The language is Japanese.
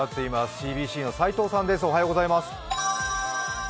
ＣＢＣの斉藤さんです。